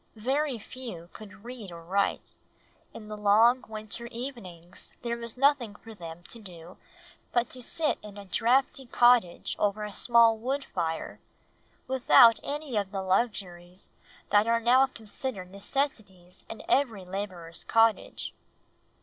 Very few could read or write; in the long winter evenings there was nothing for them to do but to sit in a draughty cottage over a small wood fire, without any of the luxuries that are now considered necessaries in every labourer's cottage.